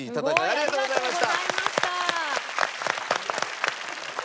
ありがとうございます。